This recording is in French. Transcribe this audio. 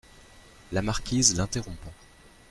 La Marquise , l’interrompant.